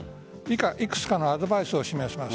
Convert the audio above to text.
いくつかのアドバイスを示します。